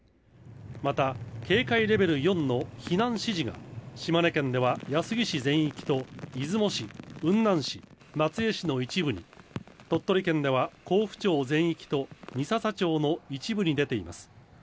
また、警戒レベル４の避難指示が島根県では安来市全域と、出雲市、雲南市、松江市の一部に、鳥取県では江府町全域と三朝町の一部に出ています。